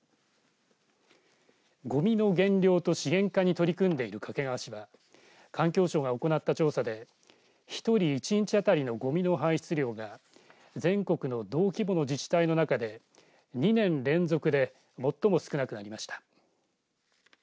ごみの減量と資源化に取り組んでいる掛川市は環境省が行った調査で一人１日当たりのごみの排出量が全国の同規模の自治体の中で２年連続で最も少なくなりました。